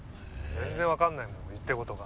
全然わかんないもん言ってることが。